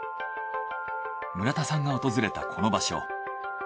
村田さんが訪れたこの場所